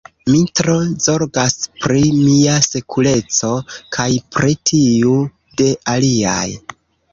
Mi tro zorgas pri mia sekureco kaj pri tiu de aliaj.